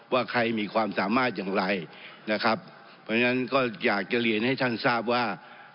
ว่าใครมีความสามารถอย่างไรนะครับเพราะฉะนั้นก็อยากจะเรียนให้ท่านทราบว่า